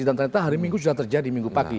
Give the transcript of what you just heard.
dan ternyata hari minggu sudah terjadi minggu pagi